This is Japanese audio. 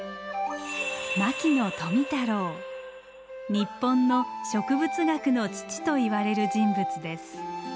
日本の植物学の父といわれる人物です。